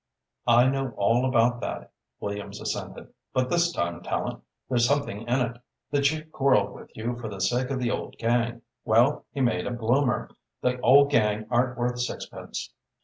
"I know all about that," Williams assented, "but this time, Tallente, there's something in it. The Chief quarrelled with you for the sake of the old gang. Well, he made a bloomer. The old gang aren't worth six pence.